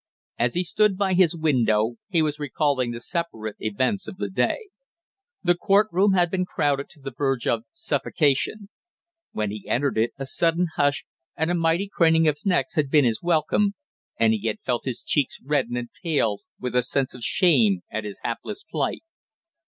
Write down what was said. As he stood by his window he was recalling the separate events of the day. The court room had been crowded to the verge of suffocation; when he entered it a sudden hush and a mighty craning of necks had been his welcome, and he had felt his cheeks redden and pale with a sense of shame at his hapless plight.